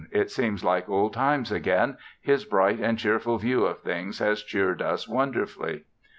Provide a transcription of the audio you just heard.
It seems like old times again, his bright and cheerful view of things has cheered us wonderfully.